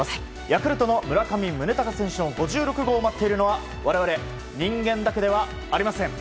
ヤクルトの村上宗隆選手の５６号を待っているのは我々、人間だけではありません。